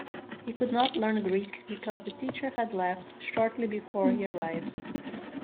He could not learn Greek, because the teacher had left, shortly before he arrived.